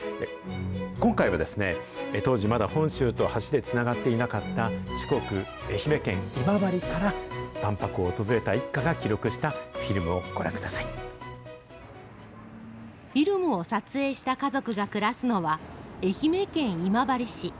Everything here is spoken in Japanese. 今回は、当時、まだ本州と橋でつながっていなかった、四国・愛媛県今治から万博を訪れた一家が記録したフィルムをご覧フィルムを撮影した家族が暮らすのは、愛媛県今治市。